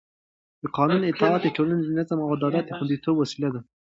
د قانون اطاعت د ټولنې د نظم او عدالت د خونديتوب وسیله ده